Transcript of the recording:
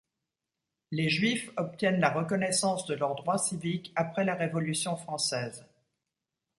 Les Juifs obtiennent la reconnaissance de leurs droits civiques après la Révolution française.